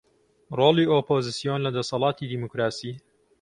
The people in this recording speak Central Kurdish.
ڕۆڵی ئۆپۆزسیۆن لە دەسەڵاتی دیموکراسی